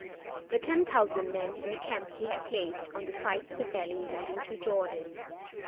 The ten thousand men in the camp he had placed on the sides of the valley leading to the Jordan.